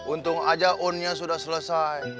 untung aja on nya sudah selesai